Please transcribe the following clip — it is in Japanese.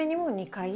２回。